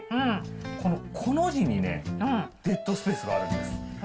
このコの字にね、デッドスペースがあるんです。